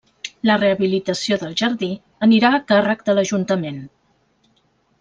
La rehabilitació del jardí anirà a càrrec de l'Ajuntament.